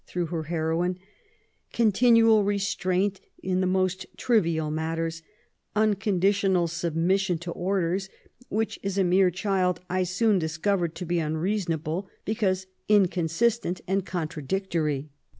through her heroine^ —'' continual restraint in the most trivial matters, unconditional submission to orders, which as a mere child I soon discovered to be unreasonable^ because inconsistent and contradictory.